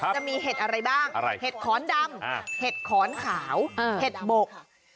เห็ดอะไรบ้างเห็ดขอนดำเห็ดขอนขาวเห็ดบก